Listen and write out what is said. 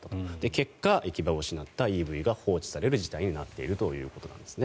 結果、行き場を失ったＥＶが放置される事態になっているということなんですね。